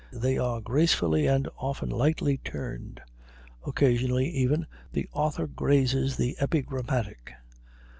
They are gracefully and often lightly turned; occasionally, even, the author grazes the epigrammatic.